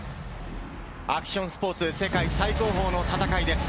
アクションスポーツ世界最高峰の戦いです。